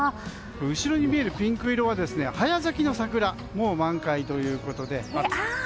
後ろに見えるピンク色は早咲きの桜もう満開ということで。